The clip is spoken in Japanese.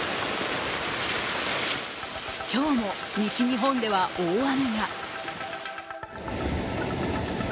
今日も西日本では大雨が。